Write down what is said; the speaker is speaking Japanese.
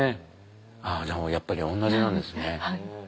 じゃあやっぱり同じなんですね。